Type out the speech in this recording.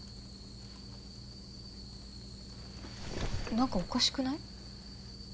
・何かおかしくない？